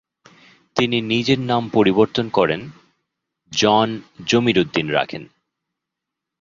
তিনি নিজের নাম পরিবর্তন করেন জন জমিরুদ্দীন রাখেন।